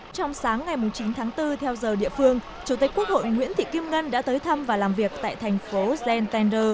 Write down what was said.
trong sáng ngày chín tháng bốn theo giờ địa phương chủ tịch quốc hội nguyễn thị kim ngân đã tới thăm và làm việc tại thành phố zent tender